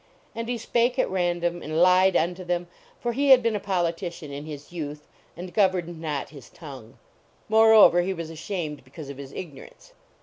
And he spake at random, and lied unto them, for he had been a politician in his youth and gov erned not his tongue. Moreover, he was ashamed because of his ignorance.